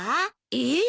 えっ！？